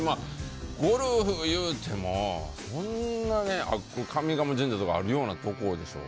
ゴルフいうてもそんなね、上賀茂神社とかあるようなところでしょ。